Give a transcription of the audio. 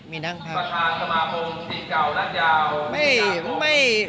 สมภอมุนที่เก่ารักยาว